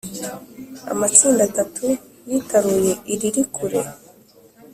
amatsinda atatu yitaruye iriri kure